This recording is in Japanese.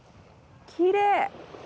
きれい。